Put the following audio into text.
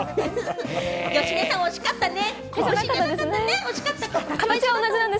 芳根さん、おしかったね。